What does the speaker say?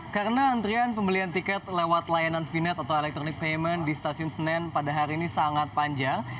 karena antrian pembelian tiket lewat layanan vnet atau electronic payment di stasiun senen pada hari ini sangat berharga